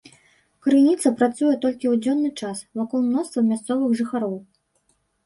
Крыніца працуе толькі ў дзённы час, вакол мноства мясцовых жыхароў.